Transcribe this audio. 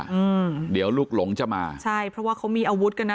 อืมเดี๋ยวลูกหลงจะมาใช่เพราะว่าเขามีอาวุธกันนะ